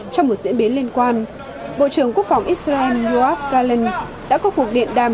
trong một diễn biến liên quan bộ trưởng quốc phòng israel yoav galan đã có cuộc điện đàm